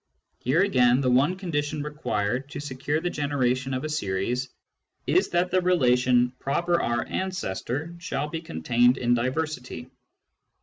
Here again, the one condition required to secure the generation of a series is that the relation " proper R ancestor " shall be contained in diversity.